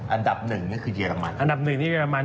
อันดับ๑นี่คือเยรมัน